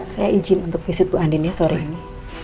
saya ijin untuk visit bu andin ya sore ini